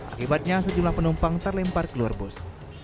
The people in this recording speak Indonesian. akibatnya sejumlah penumpang terlempar keluar bus